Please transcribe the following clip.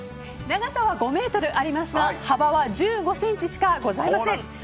長さは５ｍありますが幅は１５ｃｍしかございません。